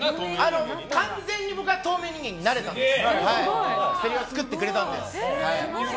完全に僕が透明人間になれたんです。